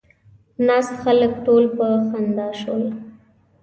ناست خلک ټول په خندا شول.